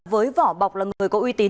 với võ bọc là người có uy tín